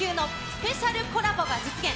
スペシャルコラボが実現。